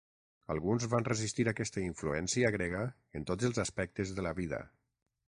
Alguns van resistir aquesta influència grega en tots els aspectes de la vida.